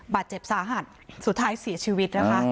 บาดเจ็บสาหัสสุดท้ายเสียชีวิตนะคะ